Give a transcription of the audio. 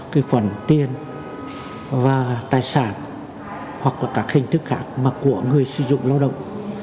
cái khoản tiền và tài sản hoặc là các hình thức khác mà của người sử dụng lao động